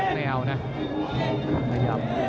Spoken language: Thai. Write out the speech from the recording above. ไม่เอานะ